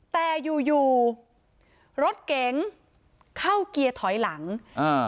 แต่อยู่อยู่รถเก๋งเข้าเกียร์ถอยหลังอ่า